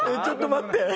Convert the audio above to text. ちょっと待って！